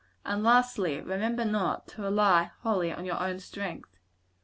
And, lastly, remember not to rely wholly on your own strength.